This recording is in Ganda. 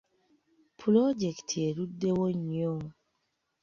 Pulojekiti eruddewo nnyo.